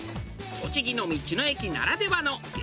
栃木の道の駅ならではの激